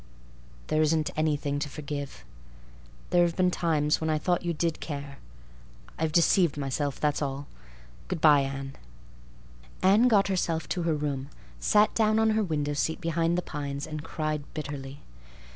"There isn't anything to forgive. There have been times when I thought you did care. I've deceived myself, that's all. Goodbye, Anne." Anne got herself to her room, sat down on her window seat behind the pines, and cried bitterly.